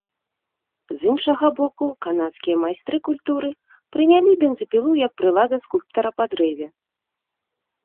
З іншага боку, канадскія майстры культуры прынялі бензапілу як прылада скульптара па дрэве.